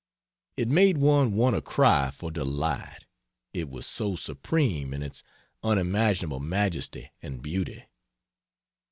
It made one want to cry for delight, it was so supreme in its unimaginable majesty and beauty.